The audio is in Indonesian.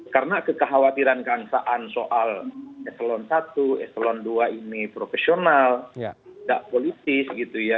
karena kekhawatiran kang saan soal eselon satu eselon dua ini profesional tidak politis gitu ya